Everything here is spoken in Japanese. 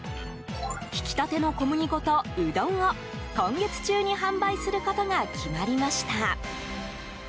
ひきたての小麦粉と、うどんを今月中に販売することが決まりました。